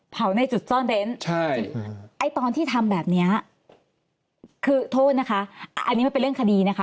ในจุดซ่อนเร้นใช่ไอ้ตอนที่ทำแบบเนี้ยคือโทษนะคะอันนี้มันเป็นเรื่องคดีนะคะ